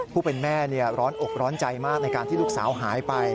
ผู้เป็นแม่ร้อนอกร้อนใจมากในการที่ลูกสาวหายไป